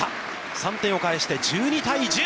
３点を返して１２対１０。